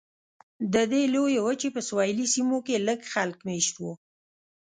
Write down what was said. د دې لویې وچې په سویلي سیمو کې لږ خلک مېشت وو.